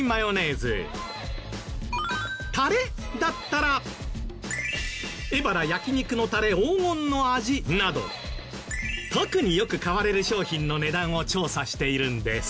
たれだったらエバラ焼肉のたれ黄金の味など特によく買われる商品の値段を調査しているんです。